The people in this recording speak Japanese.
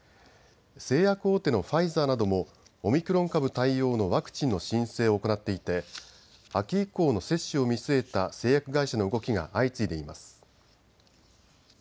製薬大手のファイザーなどもオミクロン株対応のワクチンの申請を行っていて秋以降の接種を見据えた製薬会社の動きが相次いでいます。